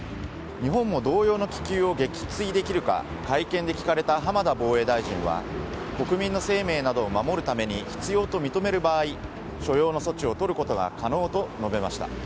日本も同様の気球を撃墜できるか会見で聞かれた浜田防衛大臣は国民の生命などを守るために必要と認める場合所要の措置をとることが可能と述べました。